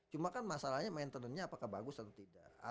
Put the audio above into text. cuma kan masalahnya maintenannya apakah bagus atau tidak